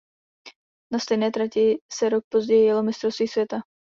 Na stejné trati se rok později jelo mistrovství světa.